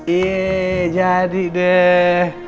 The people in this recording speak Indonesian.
yeay jadi deh